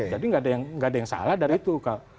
jadi enggak ada yang salah dari itu